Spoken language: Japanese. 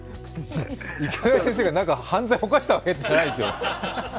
池谷先生が何か犯罪を犯したわけじゃないですよ。